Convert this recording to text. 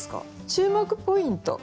注目ポイント